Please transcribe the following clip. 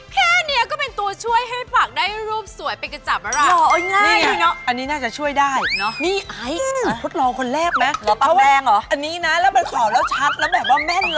แค่อันเนี้ยก็เป็นตัวช่วยให้ปากได้รูปสวยไปกระจำบ่